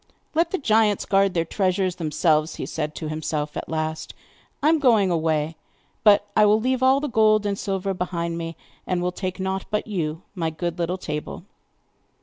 'Let the giants guard their treasures themselves,' he said to himself at last; 'I am going away. But I will leave all the gold and silver behind me, and will take nought but you, my good little table.